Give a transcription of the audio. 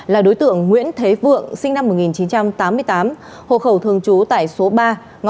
là đối tượng nguyễn thế vượng sinh năm một nghìn chín trăm tám mươi tám hộ khẩu thường trú tại số ba